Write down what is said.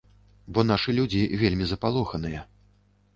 Бо нашы людзі вельмі запалоханыя.